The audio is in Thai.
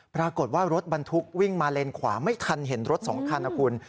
ปรากฏว่ารถบรรทุกวิ่งมาเลนขวาไม่ทันเห็นรถสองคันนะคุณ